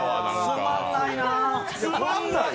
つまんないな。